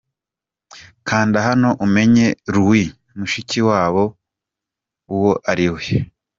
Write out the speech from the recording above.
Kanda hano umenye Louise Mushikiwabo uwo ari we.